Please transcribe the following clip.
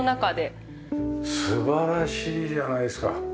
素晴らしいじゃないですか。